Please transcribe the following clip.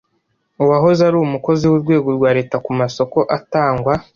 uwahoze ari umukozi w’urwego rwa Leta ku masoko atangwa